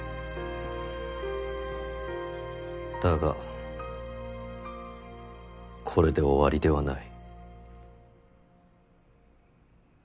だがこれで終わりではない。